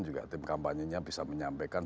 juga tim kampanyenya bisa menyampaikan